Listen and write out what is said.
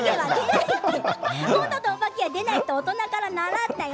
今度と、お化けは出ないって大人から習ったよ。